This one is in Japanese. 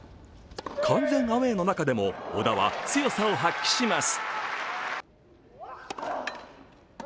完全アウェーの中でも小田は強さを発揮します。